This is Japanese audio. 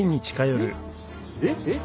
えっ？えっ？